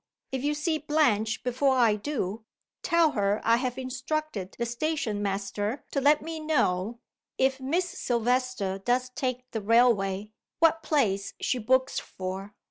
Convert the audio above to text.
If you see Blanche before I do tell her I have instructed the station master to let me know (if Miss Silvester does take the railway) what place she books for.